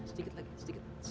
sedikit lagi sedikit